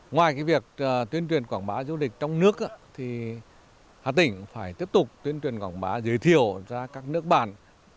ngoài việc tuyên truyền quảng phá du lịch trong nước hà tĩnh phải tiếp tục tuyên truyền quảng phá giới thiệu ra các nước bản